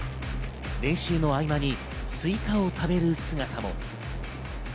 練習の合間にスイカを食べる姿も。